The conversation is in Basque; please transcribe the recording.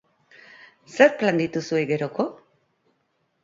Zer plan dituzue geroko?